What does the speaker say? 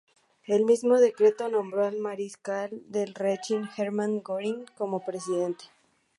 El mismo decreto nombró al mariscal del Reich Hermann Göring como presidente.